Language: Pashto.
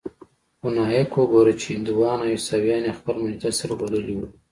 خو نايک وګوره چې هندوان او عيسويان يې خپل مجلس ته وربللي وو.